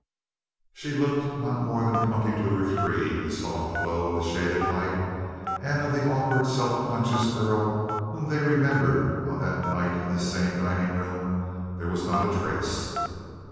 She looked not more than twenty two or three in the soft glow of the shaded lights, and of the awkward self conscious girl whom they remembered on that night in this same dining room, there was not a trace.